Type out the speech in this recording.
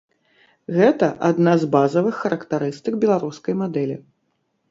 Гэта адна з базавых характарыстык беларускай мадэлі.